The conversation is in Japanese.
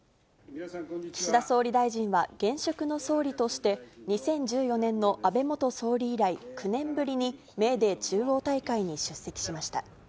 岸田総理大臣は現職の総理として、２０１４年の安倍元総理以来、９年ぶりに、メーデー中央大会に出席しました。